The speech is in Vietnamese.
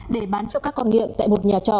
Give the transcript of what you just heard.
để bán cho các con nghiện tại một nhà trọ